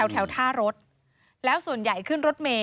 แถวท่ารถแล้วส่วนใหญ่ขึ้นรถเมย